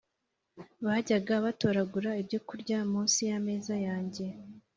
bajyaga batoragura ibyokurya munsi y’ameza yanjye.